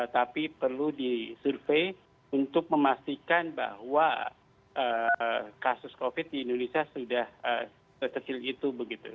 tapi perlu disurvey untuk memastikan bahwa kasus covid di indonesia sudah terkecil gitu